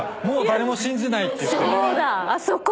もう誰も信じないっていって。